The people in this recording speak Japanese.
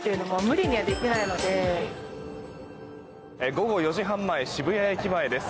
午後４時半前渋谷駅前です。